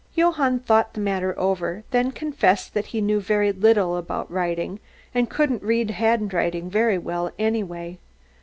Johann thought the matter over, then confessed that he knew very little about writing and couldn't read handwriting very well anyway.